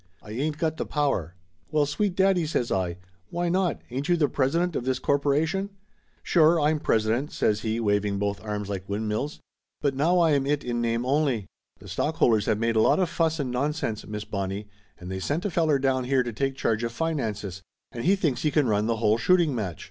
"I ain't got the power !" "Well, sweet daddy!" says I. "Why not? Ain't you the president of this corporation ?" "Sure, I'm president!" says he, waving both arms Laughter Limited 271 like windmills. "But now I am it in name only. The stockholders have made a lot of fuss and nonsense, Miss Bonnie, and they sent a feller down here to take charge of finances, and he thinks he can run the whole shooting match!